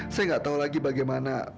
saya gak tau lagi bagaimana